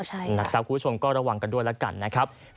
คุณผู้ชมก็ระวังกันด้วยแล้วกันนะครับ